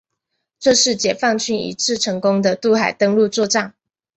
这是解放军一次成功的渡海登陆作战。